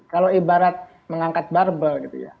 kalau ibarat mengangkat barbel gitu ya